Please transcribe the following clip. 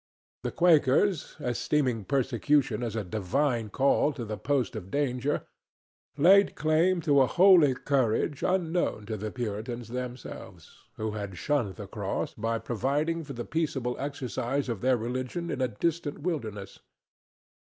The Quakers, esteeming persecution as a divine call to the post of danger, laid claim to a holy courage unknown to the Puritans themselves, who had shunned the cross by providing for the peaceable exercise of their religion in a distant wilderness.